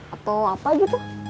atau apa gitu